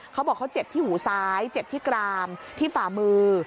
เขาบอกเขาเจ็บที่หูซ้ายเจ็บที่กรามที่ฝ่ามือ